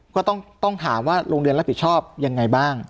ก็ต้องถามว่าโรงเรียนรับผิดชอบยังไงบ้าง